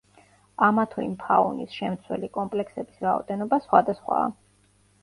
ამა თუ იმ ფაუნის შემცველი კომპლექსების რაოდენობა სხვადასხვაა.